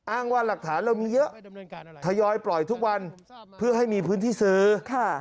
ว่าหลักฐานเรามีเยอะทยอยปล่อยทุกวันเพื่อให้มีพื้นที่ซื้อค่ะ